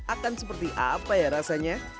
akan seperti apa ya rasanya